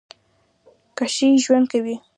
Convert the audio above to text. کښې ژؤند کوي